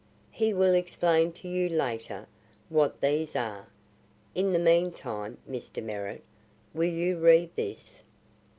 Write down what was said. He will explain to you later what these are. In the meantime, Mr. Merritt, will you read this?"